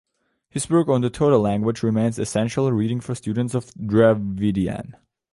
His work on the Toda language remains essential reading for students of Dravidian.